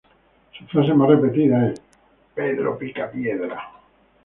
Su frase más repetida es "¡Pedro Picapiedra!